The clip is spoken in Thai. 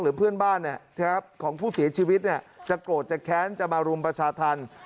เพื่อนบ้านของผู้เสียชีวิตจะโกรธจะแค้นจะมารุมประชาธรรม